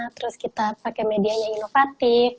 terus kita pakai media yang inovatif